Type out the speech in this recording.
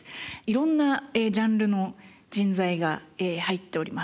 色んなジャンルの人材が入っております。